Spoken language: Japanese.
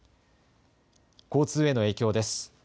交通への影響です。